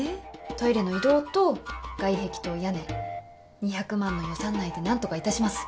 トイレの移動と外壁と屋根２００万の予算内で何とかいたします。